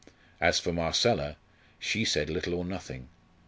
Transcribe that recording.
As for Marcella, she said little or nothing.